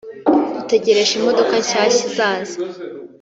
dutegereje imodoka nshyashya izaza